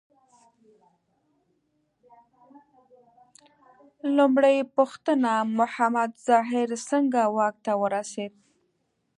لومړۍ پوښتنه: محمد ظاهر څنګه واک ته ورسېد؟